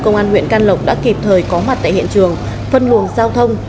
công an huyện can lộc đã kịp thời có mặt tại hiện trường phân luồng giao thông